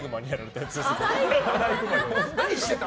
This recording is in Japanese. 逆に何してたの？